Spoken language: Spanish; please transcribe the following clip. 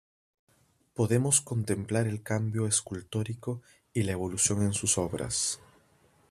Podemos contemplar el cambio escultórico y la evolución en sus obras.